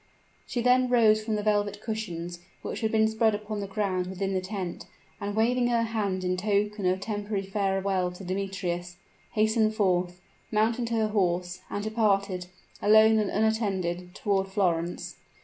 She then rose from the velvet cushions which had been spread upon the ground within the tent, and waving her hand in token of temporary farewell to Demetrius, hastened forth, mounted her horse, and departed, alone and unattended, toward Florence.